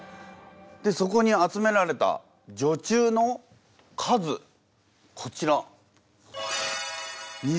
でそこに集められた女中の数こちら。